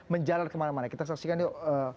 menjalar kemana mana kita saksikan yuk